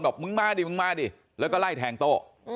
บอกมึงมาดิมึงมาดิแล้วก็ไล่แทงโต้